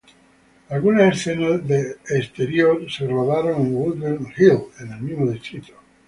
Algunas escenas de exterior se rodaron en Woodbine Hill, en el mismo distrito.